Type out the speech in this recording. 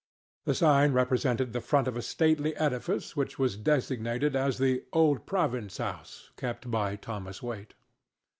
The sign represented the front of a stately edifice which was designated as the "OLD PROVINCE HOUSE, kept by Thomas Waite."